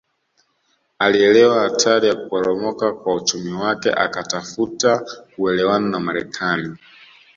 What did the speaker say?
Alielewa hatari ya kuporomoka kwa uchumi wake akatafuta uelewano na Marekani